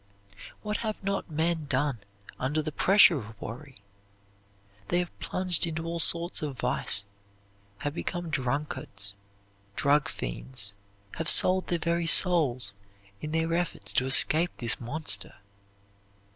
What have not men done under the pressure of worry! They have plunged into all sorts of vice; have become drunkards, drug fiends; have sold their very souls in their efforts to escape this monster.